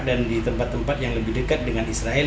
di tempat tempat yang lebih dekat dengan israel